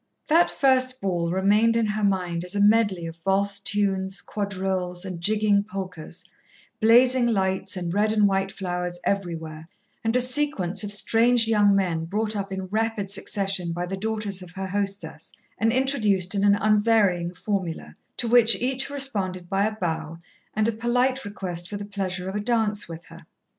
That first ball remained in her mind as a medley of valse tunes, quadrilles and jigging polkas, blazing lights and red and white flowers everywhere, and a sequence of strange young men brought up in rapid succession by the daughters of her hostess and introduced in an unvarying formula, to which each responded by a bow and a polite request for the pleasure of a dance with her.